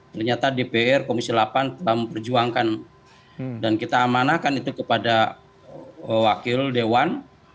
ternyata dpr komisi delapan telah memperjuangkan dan kita amanahkan itu kepada wakil dewan